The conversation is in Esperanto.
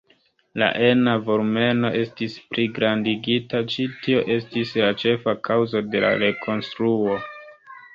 La ena volumeno estis pligrandigita, ĉi tio estis la ĉefa kaŭzo de la rekonstruo.